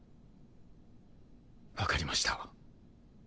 わかりました。